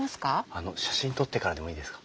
あの写真撮ってからでもいいですか？